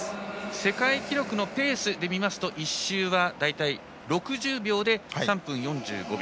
世界記録のペースで見ますと１周、大体６０秒で３分４５秒。